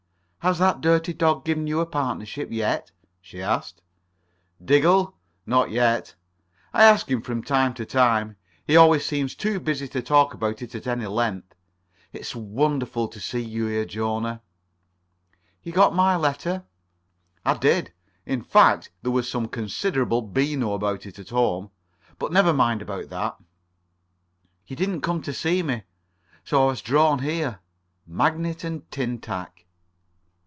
"Has that dirty dog given you a partnership yet?" she asked. [Pg 34]"Diggle? Not yet. I ask him from time to time. He always seems too busy to talk about it at any length. It's wonderful to see you here, Jona." "You got my letter?" "I did. In fact, there was some considerable beano about it at home. But never mind about that." "You didn't come to see me, so I was drawn here. Magnet and tin tack."